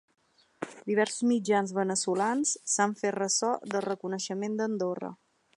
Diversos mitjans veneçolans s’han fet ressò del reconeixement d’Andorra.